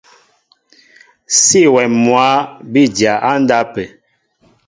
Sí awɛm mwǎ bí dya á ndápə̂.